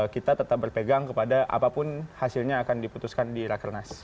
kita tetap berpegang kepada apapun hasilnya akan diputuskan di rakernas